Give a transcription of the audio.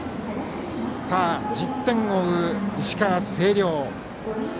１０点を追う石川・星稜。